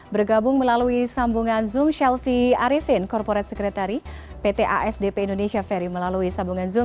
bergabung melalui sambungan zoom shelfie arifin corporate secretary pt asdp indonesia ferry melalui sambungan zoom